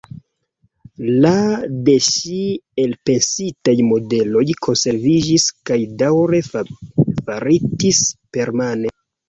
La de ŝi elpensitaj modeloj konserviĝis kaj daŭre faritis permane.